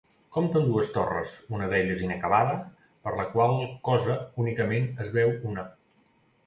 Compta amb dues torres, una d'elles inacabada, per la qual cosa únicament es veu una.